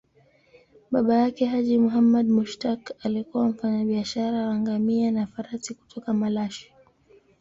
Baba yake, Haji Muhammad Mushtaq, alikuwa mfanyabiashara wa ngamia na farasi kutoka Malashi.